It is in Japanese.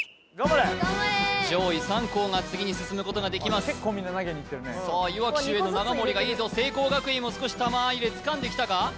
上位３校が次に進むことができますさあいわき秀英の長森がいいぞ聖光学院も少し玉入れつかんできたか？